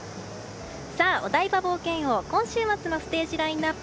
お台場冒険王、今週末のステージラインアップ